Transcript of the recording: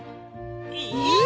えっ！？